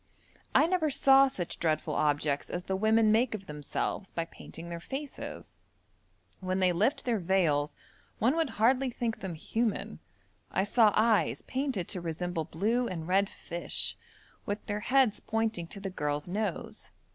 I never saw such dreadful objects as the women make of themselves by painting their faces. When they lift their veils one would hardly think them human. I saw eyes painted to resemble blue and red fish, with their heads pointing to the girl's nose.